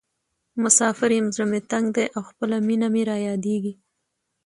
مسافر یم زړه مې تنګ ده او خپله مینه مې رایادیزې.